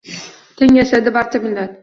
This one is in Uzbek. Teng yashaydi barcha millat